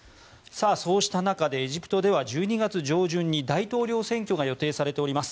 そうした中でエジプトでは１２月上旬に大統領選挙が予定されております。